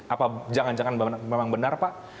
apa jangan jangan memang benar pak